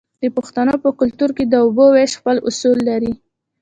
د پښتنو په کلتور کې د اوبو ویش خپل اصول لري.